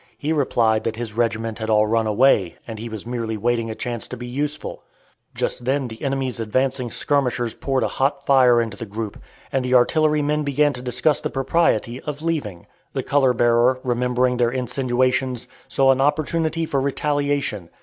He replied that his regiment had all run away, and he was merely waiting a chance to be useful. Just then the enemy's advancing skirmishers poured a hot fire into the group, and the artillerymen began to discuss the propriety of leaving. The color bearer, remembering their insinuations, saw an opportunity for retaliation.